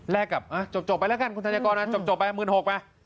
แลกกับจบไปแล้วกันคุณธัญกรนะจบไป๑๖๐๐๐บาท